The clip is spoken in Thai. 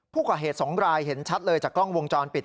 ผู้ก่อเหตุ๒รายเห็นชัดเลยจากกล้องวงจรปิด